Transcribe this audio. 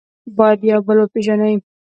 باید یو بل وپېژنئ.